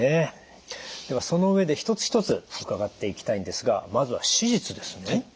ではその上で一つ一つ伺っていきたいんですがまずは手術ですね。